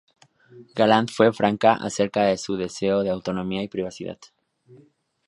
Gallant fue franca acerca de su deseo de autonomía y privacidad.